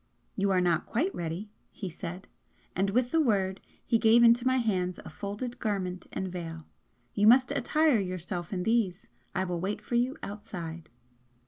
"You are not quite ready" he said and with the word he gave into my hands a folded garment and veil "You must attire yourself in these. I will wait for you outside."